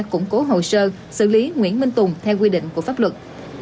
củng cố hồ sơ xử lý nguyễn minh tùng theo quy định của pháp luật